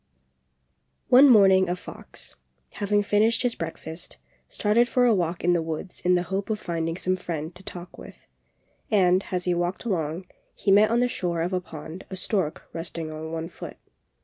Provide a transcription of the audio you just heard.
One morning a fox, having finished his breakfast, started for a walk in the woods in the hope of finding some friend to talk with; and, as he walked along, he met on the shore of a pond a stork resting on one foot.